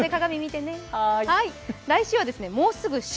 来週はもうすぐ旬！